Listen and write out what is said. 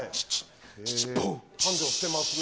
繁盛してますね。